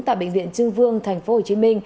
tại bệnh viện trương vương tp hcm